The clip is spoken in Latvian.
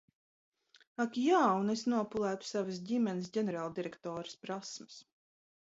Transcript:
Ak jā – un es nopulētu savas ģimenes ģenerāldirektores prasmes.